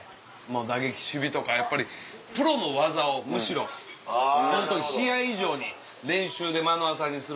打撃守備とかやっぱりプロの技をむしろ試合以上に練習で目の当たりにする。